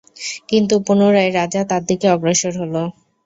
কিন্তু পুনরায় রাজা তার দিকে অগ্রসর হলো।